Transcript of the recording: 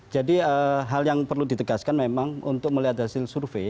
jadi hal yang perlu ditegaskan memang untuk melihat hasil survei